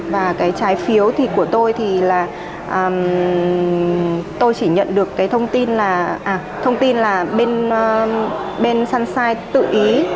và cái trái phiếu thì của tôi thì là tôi chỉ nhận được cái thông tin là bên sunshine tự ý